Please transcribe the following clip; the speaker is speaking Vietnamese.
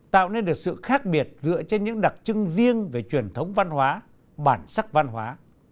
tạo nên được sự khác biệt dựa trên những đặc trưng riêng về truyền thống văn hóa bản sắc văn hóa